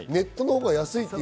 ネットのほうが安いという。